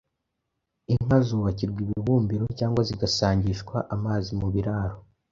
Inka zubakirwa ibibumbiro cyangwa zigasangishwa amazi mu biraro.